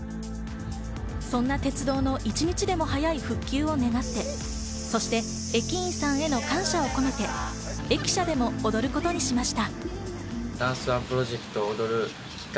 そんな鉄道の１日でも早い復旧を願ってそして駅員さんへの感謝を込めて駅舎でも踊ることにしました。